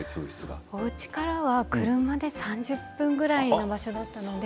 家からは車で３０分ぐらいの場所だったんです。